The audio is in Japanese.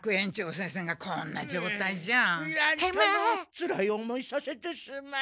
つらい思いさせてすまん。